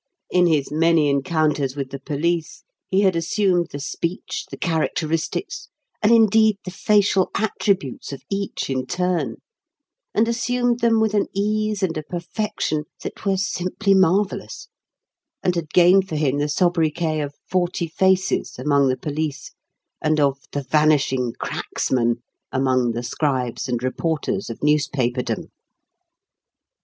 In his many encounters with the police he had assumed the speech, the characteristics, and, indeed, the facial attributes of each in turn, and assumed them with an ease and a perfection that were simply marvellous, and had gained for him the sobriquet of "Forty Faces" among the police, and of "The Vanishing Cracksman" among the scribes and reporters of newspaperdom.